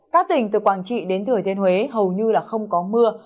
các tỉnh từ quảng trị đến thừa thiên huế hầu như không có mưa